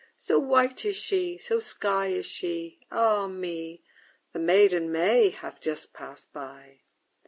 So white is she, so sky is she, Ah me! The maiden May hath just passed by!